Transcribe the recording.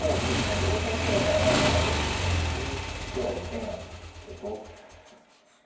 両方受けるなら７六金と打っては受けなんですけど。